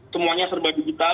semuanya serba digital